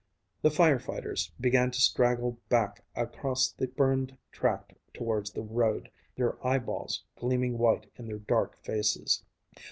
The fire fighters began to straggle back across the burned tract towards the road, their eyeballs gleaming white in their dark faces.